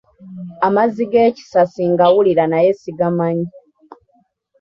Amazzi g’Ekisasi ngawulira naye sigamanyi.